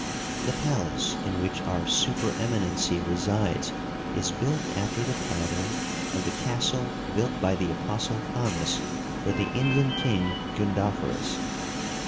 The palace in which our Supereminency resides, is built after the pattern of the castle built by the Apostle Thomas for the Indian king Gundoforus.